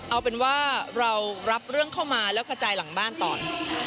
เอาเป็นว่าเรารับเรื่องเข้ามาแล้วกระจายหลังบ้านก่อน